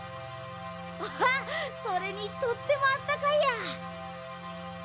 アハッそれにとってもあったかいや。